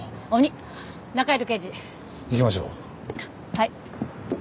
はい。